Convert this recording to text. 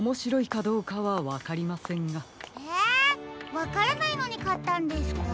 わからないのにかったんですか？